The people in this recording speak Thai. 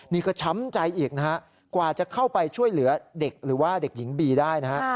นี่ก็ช้ำใจอีกนะฮะกว่าจะเข้าไปช่วยเหลือเด็กหรือว่าเด็กหญิงบีได้นะฮะ